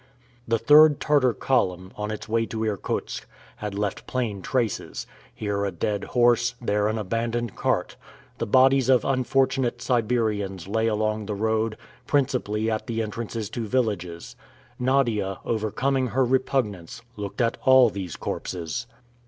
The third Tartar column, on its way to Irkutsk, had left plain traces: here a dead horse, there an abandoned cart. The bodies of unfortunate Siberians lay along the road, principally at the entrances to villages. Nadia, overcoming her repugnance, looked at all these corpses!